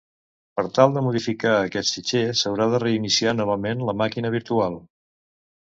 Per tal de modificar aquest fitxer s'haurà de reiniciar novament la màquina virtual.